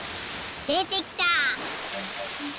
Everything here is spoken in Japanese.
でてきた！